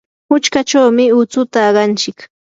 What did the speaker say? muchkachawmi utsuta aqanchik.